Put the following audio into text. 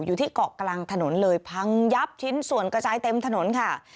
อยู่ที่เกาะกลางถนนเลยพังยับชิ้นส่วนกระจายเต็มถนนค่ะ